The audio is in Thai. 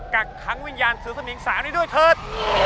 กักขังวิญญาณสือสมิงสาวนี้ด้วยเถิด